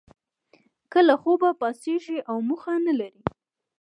که له خوبه پاڅیږی او موخه نه لرئ